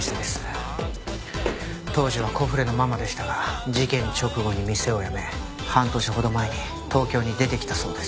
当時はコフレのママでしたが事件直後に店を辞め半年ほど前に東京に出てきたそうです。